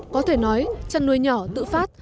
có thể nói chăn nuôi nhỏ tự phát